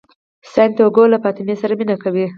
سانتیاګو له فاطمې سره مینه کوي.